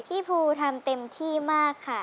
พี่ภูทำเต็มที่มากค่ะ